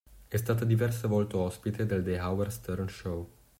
È stata diverse volte ospite del The Howard Stern Show.